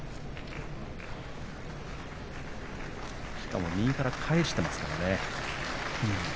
しかも右から返しましたからね。